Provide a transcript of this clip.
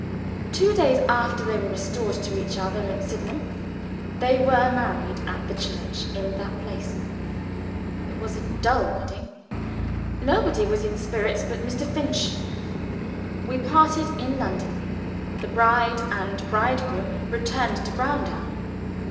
Two days after they were restored to each other at Sydenham, they were married at the church in that place. It was a dull wedding. Nobody was in spirits but Mr. Finch. We parted in London. The bride and bridegroom returned to Browndown.